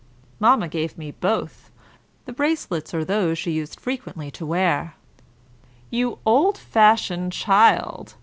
"Mamma gave me both. The bracelets are those she used frequently to wear." "You old fashioned child!